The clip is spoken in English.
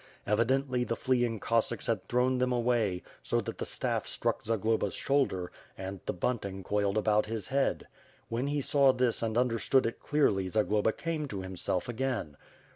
Evidently the fleeing Cossacks had thrown them away so that the staff struck Zagloba's shoulder, and the bunting coiled about his head. When he saw this and understood it clearly Zagloba came to himself again.